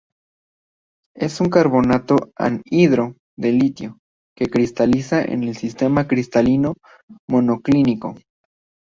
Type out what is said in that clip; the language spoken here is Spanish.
Es un carbonato anhidro de litio, que cristaliza en el sistema cristalino monoclínico.